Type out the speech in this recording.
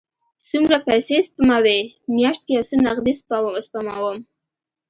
څومره پیسی سپموئ؟ میاشت کې یو څه نغدي سپموم